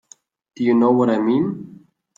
Do you know what I mean?